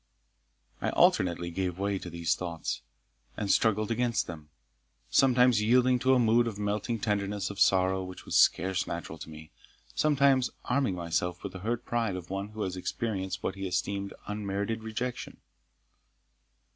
I alternately gave way to these thoughts, and struggled against them, sometimes yielding to a mood of melting tenderness of sorrow which was scarce natural to me, sometimes arming myself with the hurt pride of one who had experienced what he esteemed unmerited rejection.